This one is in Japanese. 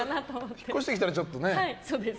引っ越して来たらちょっとね。